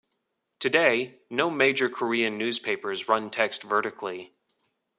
Today, no major Korean newspapers run text vertically.